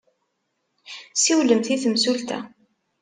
Siwlemt i temsulta.